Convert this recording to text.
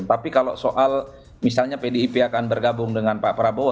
tapi kalau soal misalnya pdip akan bergabung dengan pak prabowo